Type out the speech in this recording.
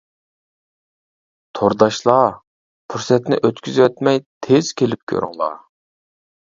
تورداشلار، پۇرسەتنى ئۆتكۈزۈۋەتمەي، تېز كېلىپ كۆرۈڭلار.